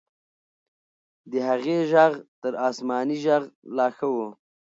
د هغې ږغ تر آسماني ږغ لا ښه و.